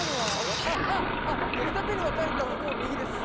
二手に分かれたとこを右です！